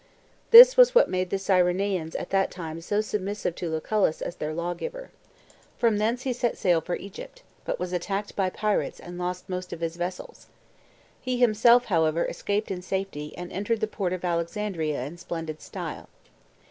This was what made the Cyrenaeans at that time so submissive to Lucullus as their law giver. "From thence he set' sail for Egypt, but was attacked by pirates, and lost most of his vessels. He himself, however, escaped in safety, and entered the port of Alexandria in splendid style.